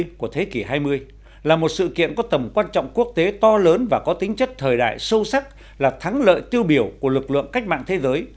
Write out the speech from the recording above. năm bảy mươi của thế giới là một sự kiện có tầm quan trọng quốc tế to lớn và có tính chất thời đại sâu sắc là thắng lợi tiêu biểu của lực lượng cách mạng thế giới